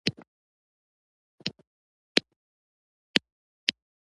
کله چې انسان په غوسه شي.